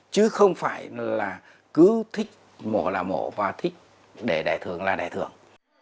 chứ không phải cứ thích mẫu là mẫu và thích để đẻ thường là đẻ thường